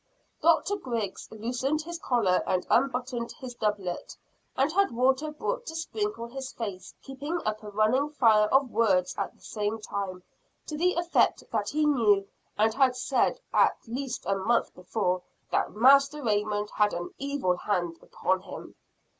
Dr. Griggs loosened his collar and unbuttoned his doublet, and had water brought to sprinkle his face keeping up a running fire of words at the same time, to the effect that he knew, and had said, as least a month before, that Master Raymond had an "evil hand" upon him.